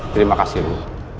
terima kasih bu